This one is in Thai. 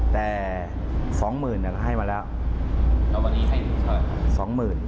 แต่สองหมื่นให้มาแล้วแล้ววันนี้ให้สองหมื่น